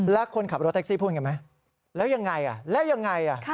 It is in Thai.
แล้วคนขับรถแท็กซี่พูดไงไหมแล้วยังไงแล้วยังไง